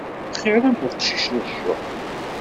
Isfenxiṛ am uqcic n ccuq.